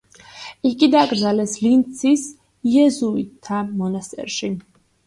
იგი დაკრძალეს ლინცის იეზუიტთა მონასტერში.